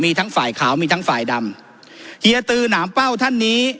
มีทั้งฝ่ายขาวมีทั้งฝ่ายดำเฮียตือหนามเป้าท่านนี้